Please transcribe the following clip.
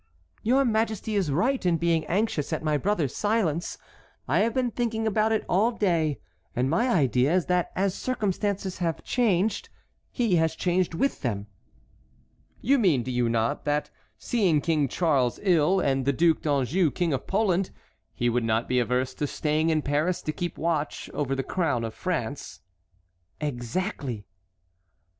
"Your majesty is right in being anxious at my brother's silence. I have been thinking about it all day, and my idea is that as circumstances have changed he has changed with them." "You mean, do you not, that seeing King Charles ill and the Duc d'Anjou King of Poland he would not be averse to staying in Paris to keep watch over the crown of France?" "Exactly."